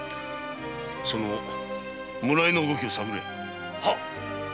その村井の動きを探れ。